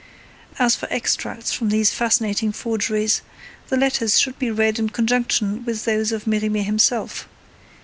As for extracts from these fascinating forgeries, the letters should be read in conjunction with those of Merimee himself.